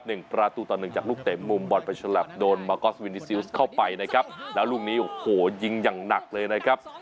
หนึ่งประตูต่อหนึ่งจากลูกเตะมุมบอลไปฉลับโดนมากอสวินีซิลสเข้าไปนะครับแล้วลูกนี้โอ้โหยิงอย่างหนักเลยนะครับ